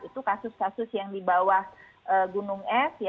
itu kasus kasus yang di bawah gunung es